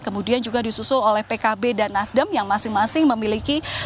kemudian juga disusul oleh pkb dan nasdem yang masing masing memiliki dua belas dua juta suara atau lebih